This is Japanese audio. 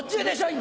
今！